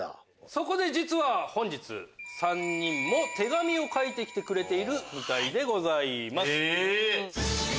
そこで実は本日３人も手紙を書いてきてくれているみたいです。